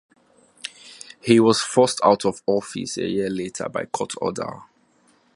He was forced out of office a year later by court order.